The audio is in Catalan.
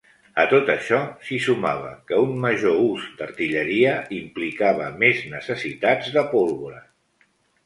A tot això s'hi sumava que un major ús d'artilleria implicava més necessitats de pólvora.